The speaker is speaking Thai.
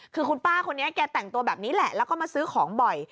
คือคุณป้าคนนี้แกแต่งตัวแบบนี้แหละแล้วก็มาซื้อของบ่อย